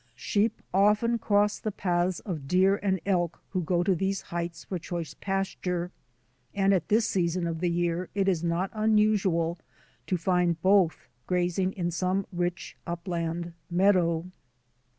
Sheep often cross the paths of deer and elk who go to these heights for choice pasture, and at this season of the year it is not unusual to find both grazing in some rich upland meadow.